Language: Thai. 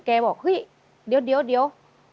บอกเฮ้ยเดี๋ยว